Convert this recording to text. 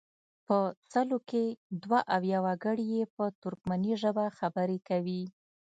په سلو کې دوه اویا وګړي یې په ترکمني ژبه خبرې کوي.